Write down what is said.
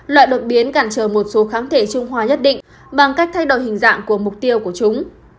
loại đột biến cản trở một số kháng thể trung hoa nhất định bằng cách thay đổi hình dạng của mục tiêu của chúng